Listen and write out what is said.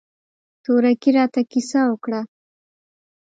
تورکي راته کيسه وکړه.